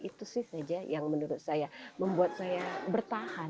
itu sih saja yang menurut saya membuat saya bertahan